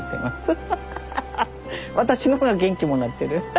私の方が元気もらってる。